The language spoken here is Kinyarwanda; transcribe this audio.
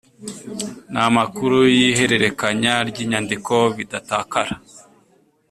N amakuru y ihererekanya ry inyandiko bidatakara